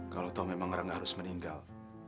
kalau tahu memang rangga harus meninggal